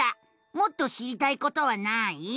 もっと知りたいことはない？